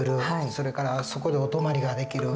それからそこでお泊まりができる。